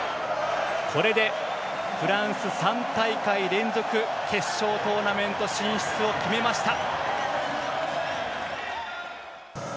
これでフランス、３大会連続決勝トーナメント進出を決めました。